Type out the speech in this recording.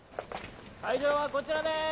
会場はこちらです！